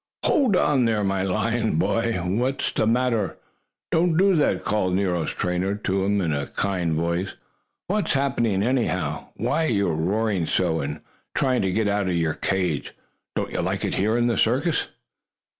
"Hold on there, my lion boy! What's the matter? Don't do that!" called Nero's trainer to him in a kind voice. "What happened, anyhow? Why are you roaring so, and trying to get out of your cage? Don't you like it here in the circus?"